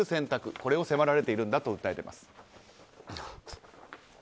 これを迫られてるんだと訴えます。